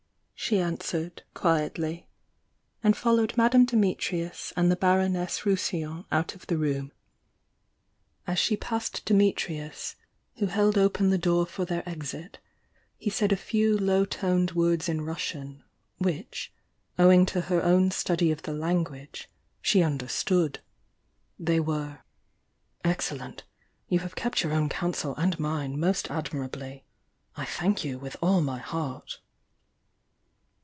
she answered, quietly, and followed Madame Dimitrius and the Baroness Rousillon out of the room. As she passed Dimitrius, who held open the door for their exit, he said a few low toned words in Russian which owing to her own study of the language she under stood. They were: "Excellent! You have kept your own counsel and mine, most admirably! I thank you with all my heart!"